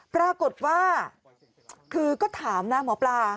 ปรากฏว่าคือก็ถามนะหมอปลา